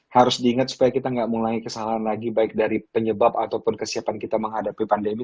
harus diingat supaya kita nggak mulai kesalahan lagi baik dari penyebab ataupun kesiapan kita menghadapi pandemi